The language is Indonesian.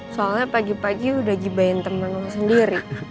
soalnya pagi pagi udah gibain temen lo sendiri